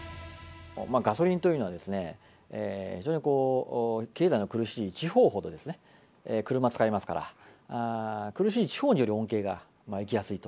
ガソリンというのは、非常に経済の苦しい地方ほど車使いますから、苦しい地方ほど恩恵がいきやすいと。